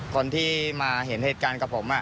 คนที่มาเห็นเหตุการณ์กับผม